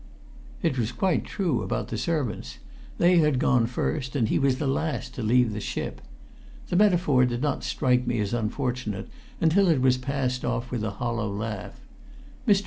It was quite true about the servants; they had gone first, and he was the last to leave the ship. The metaphor did not strike me as unfortunate until it was passed off with a hollow laugh. Mr.